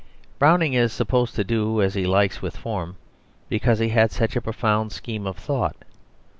Browning is supposed to do as he likes with form, because he had such a profound scheme of thought.